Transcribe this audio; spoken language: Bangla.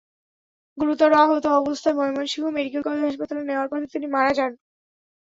গুরুতর আহত অবস্থায় ময়মনসিংহ মেডিকেল কলেজ হাসপাতালে নেওয়ার পথে তিনি মারা যান।